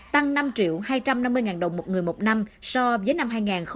tăng năm hai trăm năm mươi đồng một người một năm so với năm hai nghìn một mươi bảy